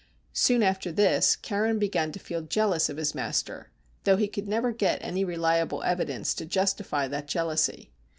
Soon after this Carron began to feel jealous of his master, though he could never get any reliable evidence to justify that jealousy.